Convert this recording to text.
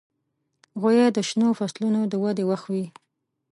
غویی د شنو فصلونو د ودې وخت وي.